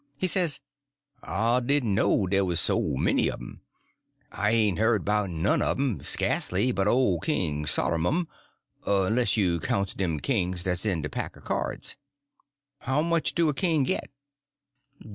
He says: "I didn' know dey was so many un um. I hain't hearn 'bout none un um, skasely, but ole King Sollermun, onless you counts dem kings dat's in a pack er k'yards. How much do a king git?"